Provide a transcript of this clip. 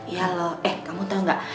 ya loh eh kamu tau gak